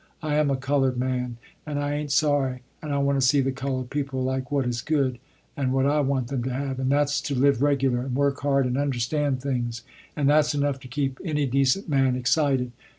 I am a colored man and I ain't sorry, and I want to see the colored people like what is good and what I want them to have, and that's to live regular and work hard and understand things, and that's enough to keep any decent man excited."